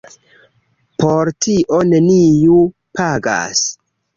Por tio neniu pagas.